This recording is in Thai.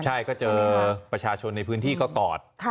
ใช่ก็เจอประชาชนในพื้นที่ก็กอด